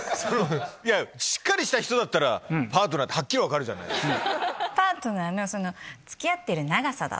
いやしっかりした人だったらパートナーってはっきり分かるじゃないですか。